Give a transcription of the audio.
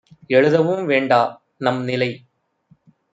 எழுதவும் வேண்டா - நம்நிலை